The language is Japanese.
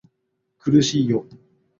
苦しいよ